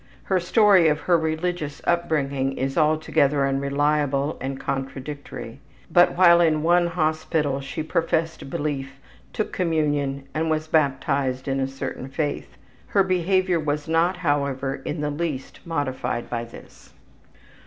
Her story of her religious upbringing is altogether unreliable and contradictory, but while in one hospital she professed belief, took communion, and was baptized in a certain faith. Her behavior was not, however, in the least modified by this.